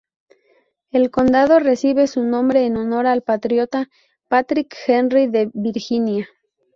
El condado recibe su nombre en honor al patriota Patrick Henry de Virginia.